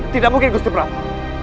tidak mungkin gusti prabu